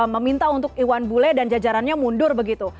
meminta untuk iwan bule dan jajarannya mundur begitu